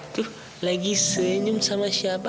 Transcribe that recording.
tuh lagi senyum sama siapa